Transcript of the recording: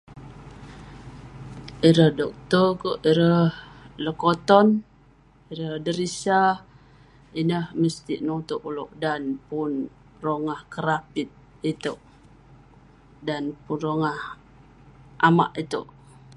ireh doktor kerk, ireh lekoton, ireh derisa, ineh mestik nutouk ulouk dan pun rongah kerapit itouk, dan pun rongah amak itouk..